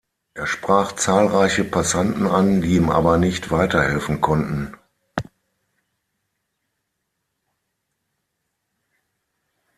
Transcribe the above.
Er sprach zahlreiche Passanten an, die ihm aber nicht weiterhelfen konnten.